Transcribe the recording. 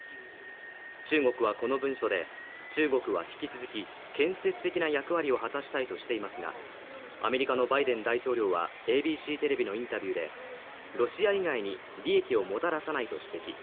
中国はこの文書で中国は引き続き建設的な役割を果たしたいとしていますが、アメリカのバイデン大統領はＡＢＣテレビのインタビューで、ロシア以外に利益をもたらさないと指摘。